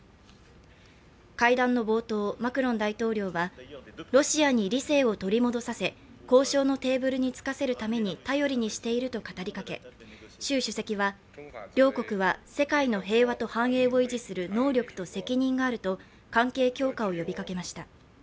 会談の冒頭、マクロン大統領は、「ロシアに理性を取り戻させ」「交渉のテーブルにつかせるために頼りにしている」と語りかけ、習主席は「両国は世界の平和と繁栄を維持する能力と」「責任がある」と関係強化を呼びかけました。